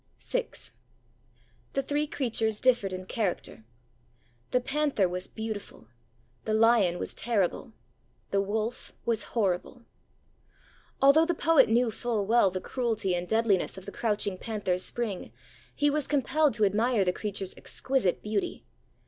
VI The three creatures differed in character. The panther was beautiful; the lion was terrible; the wolf was horrible. Although the poet knew full well the cruelty and deadliness of the crouching panther's spring, he was compelled to admire the creature's exquisite beauty.